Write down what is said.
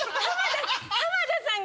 浜田さんが。